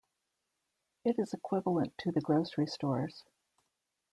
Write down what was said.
It is equivalent to the grocery stores.